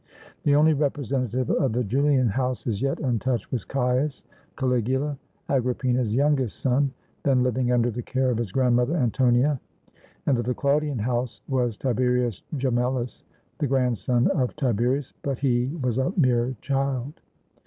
The only representative of the Julian house as yet untouched was Caius (Caligula), Agrippina's youngest son, then living under the care of his grandmother, Antonia, and of the Claudian house was Tiberius Gemellus, the grandson of Tiberius, but he was a mere child.